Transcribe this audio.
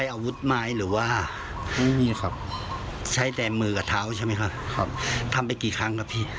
ก็คือดื่มกัน